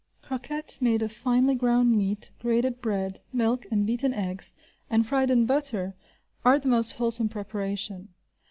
Croquettes made of finely ground meat, grated bread, milk, and beaten eggs, and fried in butter, are the most wholesome preparation.